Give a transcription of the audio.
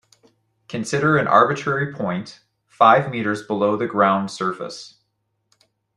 Consider an arbitrary point five meters below the ground surface.